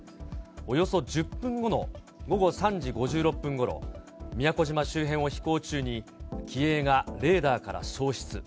およそ１０分後の午後３時５６分ごろ、宮古島周辺を飛行中に、機影がレーダーから消失。